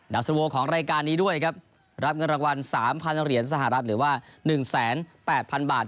สโวของรายการนี้ด้วยครับรับเงินรางวัล๓๐๐เหรียญสหรัฐหรือว่า๑๘๐๐๐บาท